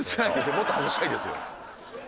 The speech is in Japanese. もっと外したいですよ！